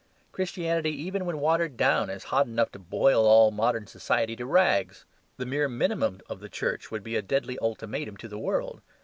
Christianity even when watered down is hot enough to boil all modern society to rags. The mere minimum of the Church would be a deadly ultimatum to the world.